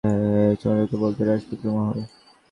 এই মহলকে লোকে বলত রাজপুতানীর মহল।